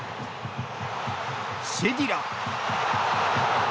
シェディラ！